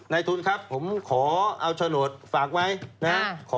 นายทุนครับผมขอเอาชะโนธฝากไว้นะ